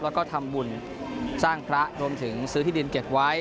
แล้วก็ทำบุญสร้างพระรวมถึงซื้อที่ดินเก็บไว้